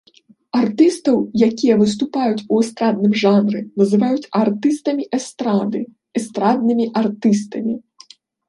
Артыстаў, якія выступаюць у эстрадным жанры, называюць артыстамі эстрады, эстраднымі артыстамі.